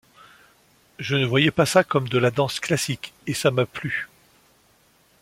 Je ne voyais pas ça comme de la danse classique et ça m’a plu.